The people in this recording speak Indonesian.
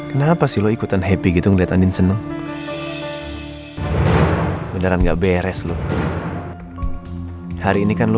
ini lo betapa pertama kali